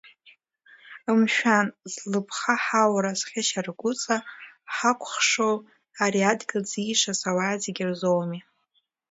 Мшәан, злыԥха ҳаура, зхьышьаргәыҵа ҳакәхшоу ари адгьыл зишаз ауаа зегьы рзоуми.